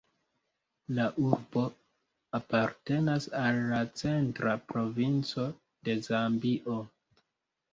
La urbo apartenas al la Centra Provinco de Zambio.